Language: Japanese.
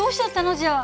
じゃあ。